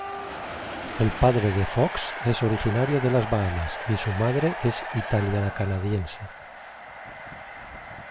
El padre de Fox es originario de las Bahamas, y su madre es italiana-canadiense.